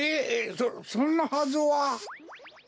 そそんなはずは。